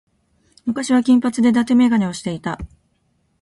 昔は金髪で伊達眼鏡をしていた。